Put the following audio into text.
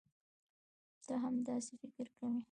تۀ هم داسې فکر کوې؟